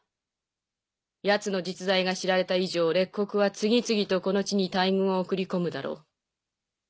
ヤツの実在が知られた以上列国は次々とこの地に大軍を送り込むだろう。